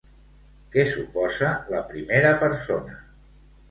Què suposa la primera persona?